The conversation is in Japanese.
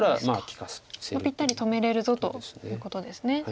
もうぴったり止めれるぞということですね。